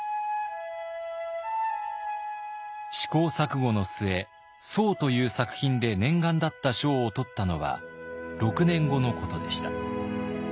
試行錯誤の末「」という作品で念願だった賞を取ったのは６年後のことでした。